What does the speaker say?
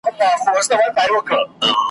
نوري زرکي به په تا څنګه باور کړي `